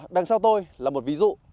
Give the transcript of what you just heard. đằng sau tôi là một ví dụ